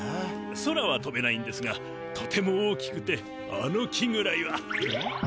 空はとべないんですがとても大きくてあの木ぐらいは。